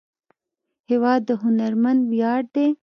هېواد د هنرمند ویاړ دی.